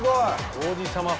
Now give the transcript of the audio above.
「王子様５」？